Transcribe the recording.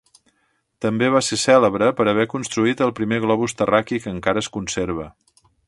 També va ser cèlebre per haver construït el primer globus terraqüi, que encara es conserva.